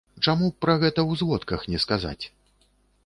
Чаму б пра гэта ў зводках не сказаць?